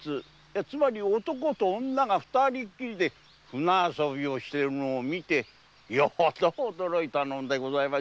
つまり男と女が二人きりで舟遊びしているのを見てよほど驚いたのでございましょう。